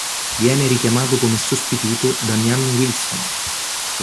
Viene richiamato come sostituto Damian Wilson.